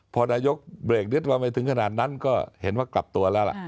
พอนายกเบรกนิดว่าไม่ถึงขนาดนั้นก็เห็นว่ากลับตัวแล้วล่ะ